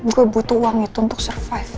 gue butuh uang itu untuk survive